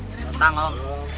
selamat datang om